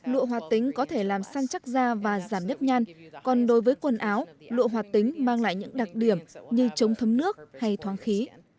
lụa hoạt tính có thể làm săn chắc da và giảm nhấp nhan còn đối với quần áo lụa hoạt tính mang lại những đặc điểm như chống thấm nước hay thoáng khí